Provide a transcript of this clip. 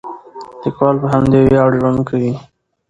لیکوال په همدې ویاړ ژوند کوي.